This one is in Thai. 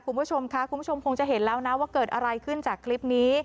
คุณผู้ชมค่ะคุณผู้ชมคงจะเห็นแล้วนะว่าเกิดอะไรขึ้นจากคลิปนี้